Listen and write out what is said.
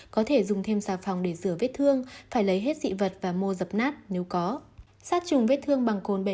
có thể dùng thêm sạc phòng để rửa vết thương phải lấy hết dị vật và mô dập nát nếu có